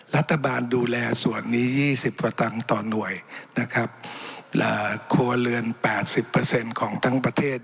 รัฐบาลดูแลส่วนนี้ยี่สิบกว่าตังค์ต่อหน่วยนะครับครัวเรือนแปดสิบเปอร์เซ็นต์ของทั้งประเทศ